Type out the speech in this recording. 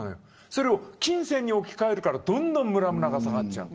それを金銭に置き換えるからどんどんむらむらが下がっちゃう。